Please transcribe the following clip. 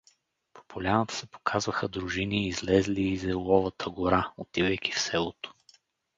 По поляната се показваха дружини, излезли из еловата гора, отивайки в селото.